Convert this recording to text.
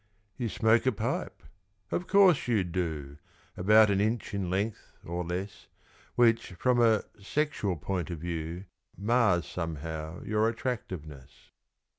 You smoke a pipe of course, you do! About an inch in length or less, Which, from a sexual point of view, Mars somehow your attractiveness.